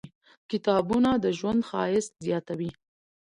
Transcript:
• کتابونه، د ژوند ښایست زیاتوي.